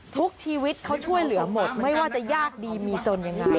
ทุกชีวิตเขาช่วยเหลือหมดไม่ว่าจะยากดีมีจนยังไง